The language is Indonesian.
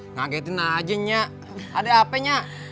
ngagetin aja nya ada hp nya